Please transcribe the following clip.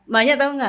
mbaknya tau nggak